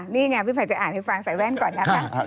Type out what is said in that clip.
นี่เนี่ยพี่ฝันจะอ่านให้ฟังใส่แว่นก่อนนะครับ